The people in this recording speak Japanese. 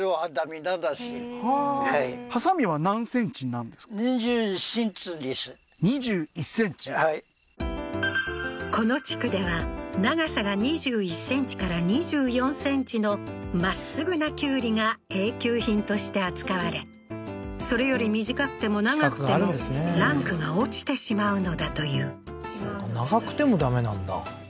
うん２１ｃｍはいこの地区では長さが２１ｃｍから２４ｃｍのまっすぐなきゅうりがＡ級品として扱われそれより短くても長くてもランクが落ちてしまうのだというそうか長くてもダメなんだ